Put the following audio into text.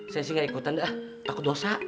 saya sih nggak ikutan dah takut dosa